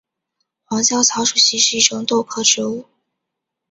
黄香草木樨是一种豆科植物。